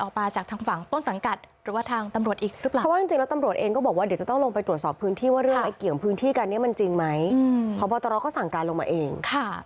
ออกมาอีกได้จากฝั่งต้นสังกัดหรือว่าตำรวจอีกเรื่องรึปหลัง